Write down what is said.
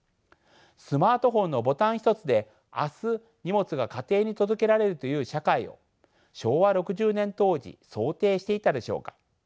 スマートフォンのボタン一つで明日荷物が家庭に届けられるという社会を昭和６０年当時想定していたでしょうか？